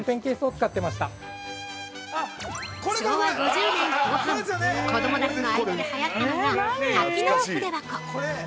◆昭和５０年後半子供たちの間ではやったのが多機能筆箱。